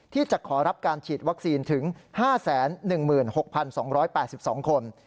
ที่จะขอรับการฉีดวัคซีนถึง๕๑๖๒๘๒คน